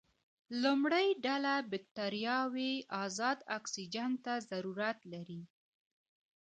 لومړۍ ډله بکټریاوې ازاد اکسیجن ته ضرورت لري.